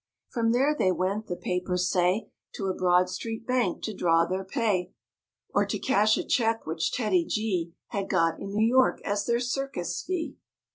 From there they went, the papers say, To a Broad Street bank to draw their pay, Or to cash a check which TEDDY—G Had got in New York as their circus fee.